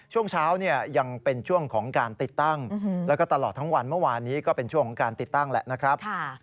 ช่วงเช้าเนี่ยยังเป็นช่วงของการติดตั้งแล้วก็ตลอดทั้งวันเมื่อวานนี้ก็เป็นช่วงของการติดตั้งแหละนะครับ